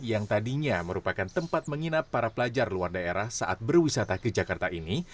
yang tadinya merupakan tempat menginap para pelajar luar daerah saat berwisata ke jakarta ini